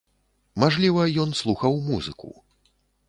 Мажліва, ён слухаў музыку.